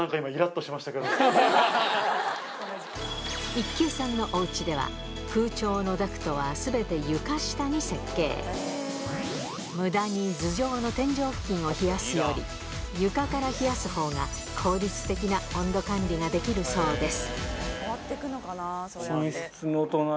一級さんのお家では空調の無駄に頭上の天井付近を冷やすより床から冷やすほうが効率的な温度管理ができるそうです